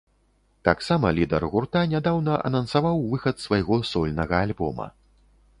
Таксама лідар гурта нядаўна анансаваў выхад свайго сольнага альбома.